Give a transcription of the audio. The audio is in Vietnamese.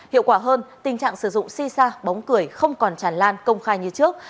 hiệu quả hơn tình trạng sử dụng xì xa bóng cười không còn tràn lan công khai như trước